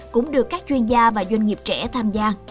cũng được các chuyên gia và doanh nghiệp trẻ tham gia